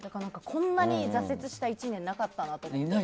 こんなに挫折した１年なかったなって思って。